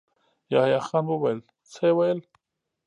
يحيی خان وويل: څه يې ويل؟